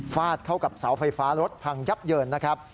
เข้ากับเสาไฟฟ้ารถพังยับเยินนะครับ